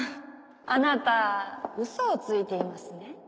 あなたウソをついていますね？